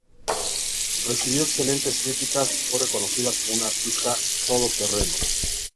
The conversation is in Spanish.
Recibió excelentes críticas y fue reconocida como una artista todoterreno.